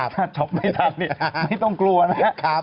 ถ้าช็อปไม่ทันไม่ต้องกลัวนะครับ